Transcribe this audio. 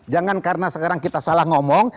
jangan karena sekarang kita salah ngomong